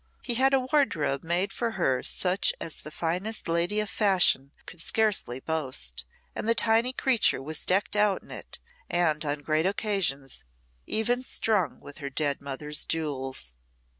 He had a wardrobe made for her such as the finest lady of fashion could scarcely boast, and the tiny creature was decked out in it, and on great occasions even strung with her dead mother's jewels.